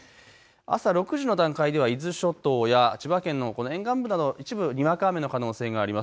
朝６時の段階では伊豆諸島や千葉県の沿岸部など一部にわか雨の可能性があります。